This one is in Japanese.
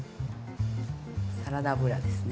サラダ油ですね